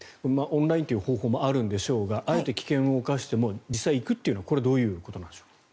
オンラインという方法もあるんでしょうがあえて危険を冒しても実際に行くというのはこれはどういうことなんでしょう。